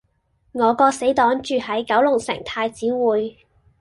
我個死黨住喺九龍城太子匯